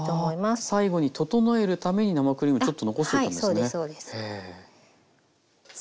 最後に整えるために生クリームちょっと残しておくんですね。